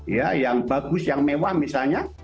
ya yang bagus yang mewah misalnya